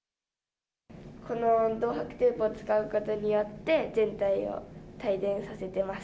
この銅はくテープを使うことによって、全体を帯電させてます。